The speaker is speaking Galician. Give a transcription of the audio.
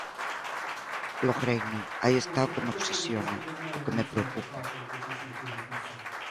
Logreino, aí está o que me obsesiona, o que me preocupa.